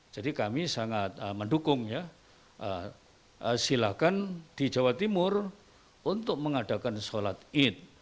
jadi kami sangat mendukung ya silakan di jawa timur untuk mengadakan sholat id